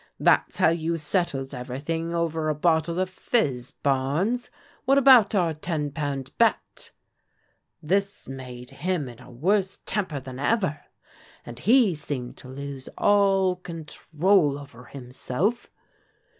That's how you settled everything over a bottle of fizz, Barnes? What about our ten pound bet? '" This made him in a worse temper than ever, and he seemed to lose all control over himself.